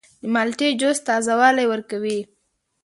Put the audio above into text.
د مالټې جوس تازه والی ورکوي.